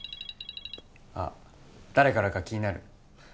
あっ誰からか気になる？